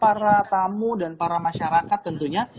para tamu dan para masyarakat tentunya